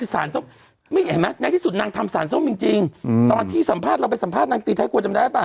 สารส้มนี่เห็นไหมในที่สุดนางทำสารส้มจริงตอนที่สัมภาษณ์เราไปสัมภาษณ์นางตีไทยควรจำได้ป่ะ